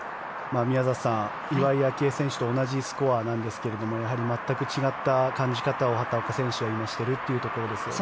宮里さん、岩井明愛選手と同じスコアなんですがやはり全く違った感じ方を畑岡選手は今、してるということですよね。